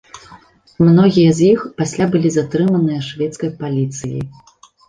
Многія з іх пасля былі затрыманыя шведскай паліцыяй.